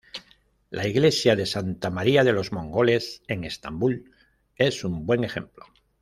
La iglesia de Santa María de los mongoles en Estambul es un buen ejemplo.